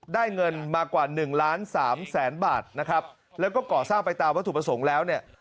ได้เงินมากว่าหนึ่งล้านสามแสนบาทนะครับแล้วก็ก่อสร้างไปตามวัตถุประสงค์แล้วเนี่ย